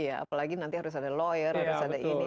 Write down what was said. apalagi nanti harus ada lawyer harus ada ini